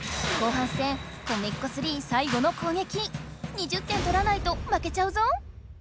２０点とらないと負けちゃうぞ。